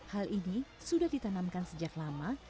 hal ini sudah ditanamkan sejak lama